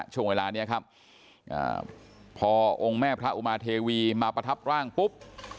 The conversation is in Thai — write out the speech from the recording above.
ช่วงเวลานี้ครับพอองค์แม่พระอุมาเทวีมาประทับร่างปุ๊บ